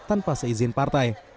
tanpa seizin partai